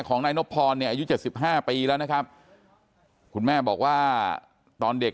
ของนายนบพรเนี่ยอายุ๗๕ปีแล้วนะครับคุณแม่บอกว่าตอนเด็ก